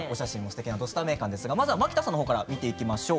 蒔田さんから見ていきましょう。